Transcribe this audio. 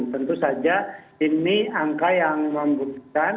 tentu saja ini angka yang membuktikan